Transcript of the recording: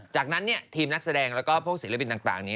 จากนั้นทีมนักแสดงและสหริบินต่าง